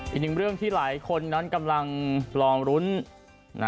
อีกหนึ่งเรื่องที่หลายคนนั้นกำลังลองรุ้น